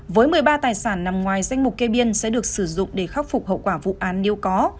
với một mươi ba tài sản nằm ngoài danh mục kê biên sẽ được sử dụng để khắc phục hậu quả vụ án nếu có